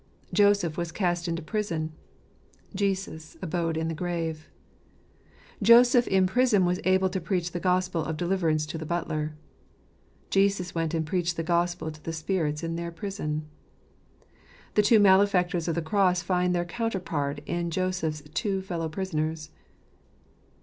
Joseph was cast into prison; Jesus abode in the grave. Joseph in prison was able to preach the gospel of deliverance to the butler; Jesus went and preached the gospel to the spirits in the prison. The two malefactors of the cross find their counterpart in Joseph's two fellow prisoners.